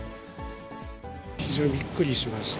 非常にびっくりしました。